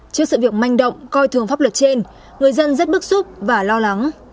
trước sự việc manh động coi thường pháp luật trên người dân rất bức xúc và lo lắng